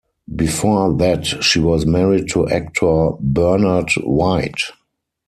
Before that, she was married to actor Bernard White.